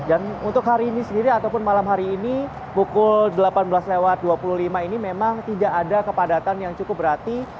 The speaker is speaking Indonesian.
dan untuk hari ini sendiri ataupun malam hari ini pukul delapan belas lewat dua puluh lima ini memang tidak ada kepadatan yang cukup berarti